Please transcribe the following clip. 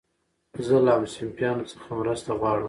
زه له همصنفيانو څخه مرسته غواړم.